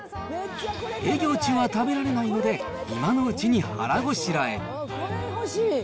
営業中は食べられないので、今のうちに腹ごしらえ。